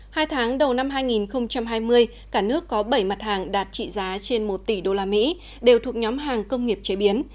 hai tháng đầu năm hai nghìn hai mươi cả nước có bảy mặt hàng đạt trị giá trên một tỷ usd đều thuộc nhóm hàng công nghiệp chế biến